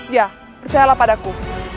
ya percayalah padaku